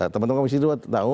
teman teman kami di situ tahu